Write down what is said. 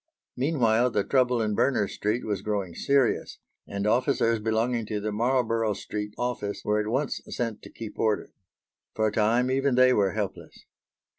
Meanwhile, the trouble in Berners Street was growing serious, and officers belonging to the Marlborough Street office were at once sent to keep order. For a time even they were helpless.